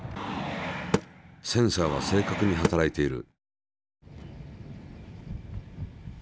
センサーは正確に働いている。